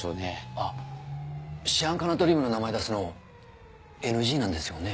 あっシアン化ナトリウムの名前出すのＮＧなんですよね？